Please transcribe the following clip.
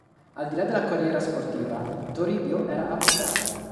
Al di là della carriera sportiva, Toribio era avvocato.